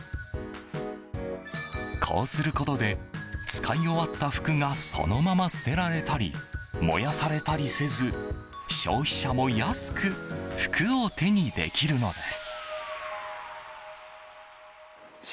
こうすることで使い終わった服がそのまま捨てられたり燃やされたりせず消費者も安く服を手にできるのです。